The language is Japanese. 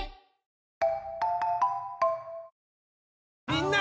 みんな！